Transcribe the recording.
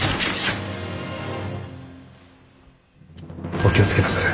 お気を付けなされ。